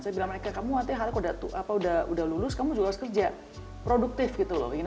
saya bilang mereka kamu artinya kalau udah lulus kamu juga harus kerja produktif gitu loh